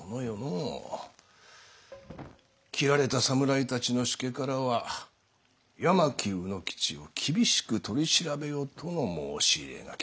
斬られた侍たちの主家からは「八巻卯之吉を厳しく取り調べよ」との申し入れがきておる。